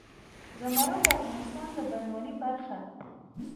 زمرد د افغانستان د بڼوالۍ برخه ده.